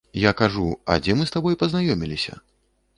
Я кажу, а дзе мы з табой пазнаёміліся?